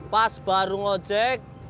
pas baru ngajek